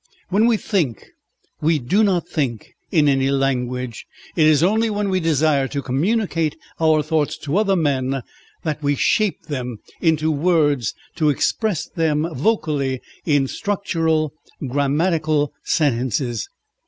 When we think we do not think in any language. It is only when we desire to communicate our thoughts to other men that we shape them into words and express them vocally in structural, grammatical sentences.